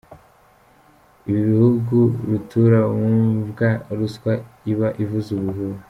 ibi bihugu rutura wumva ruswa iba ivuza ubuhuha.